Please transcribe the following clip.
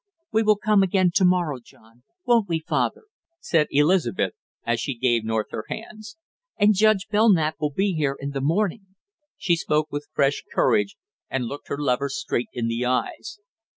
"We will come again to morrow, John, won't we, father?" said Elizabeth, as she gave North her hands. "And Judge Belknap will be here in the morning!" She spoke with fresh courage and looked her lover straight in the eyes.